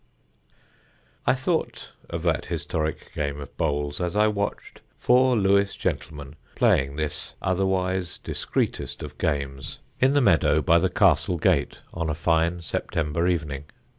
I thought of that historic game of bowls as I watched four Lewes gentlemen playing this otherwise discreetest of games in the meadow by the castle gate on a fine September evening.